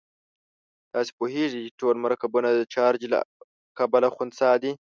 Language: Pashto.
تاسې پوهیږئ چې ټول مرکبونه د چارج له کبله خنثی دي.